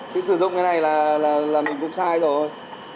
thì sử dụng cái này là mình cũng sai rồi